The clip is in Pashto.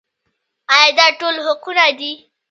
آیا دا ټول حقونه دي؟